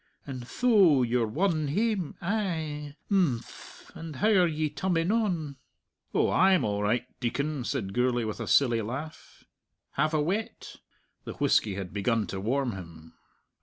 And tho you're won hame, ay! Im phm! And how are ye tummin on?" "Oh, I'm all right, Deacon," said Gourlay with a silly laugh. "Have a wet?" The whisky had begun to warm him.